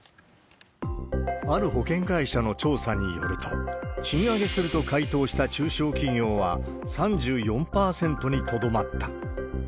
ある保険会社の調査によると、賃上げすると回答した中小企業は３４％にとどまった。